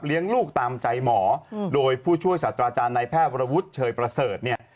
ลูกตามใจหมอโดยผู้ช่วยศาสตราจารย์ในแพทย์วรวุฒิเชยประเสริฐเนี่ย